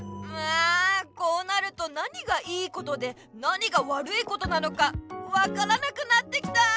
あこうなると何が良いことで何が悪いことなのかわからなくなってきた。